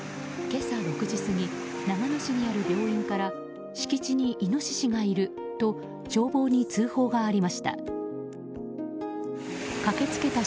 今朝６時過ぎ長野市にある病院から敷地にイノシシがいると消防に通報がありました。